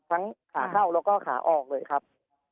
ขาเข้าแล้วก็ขาออกเลยครับ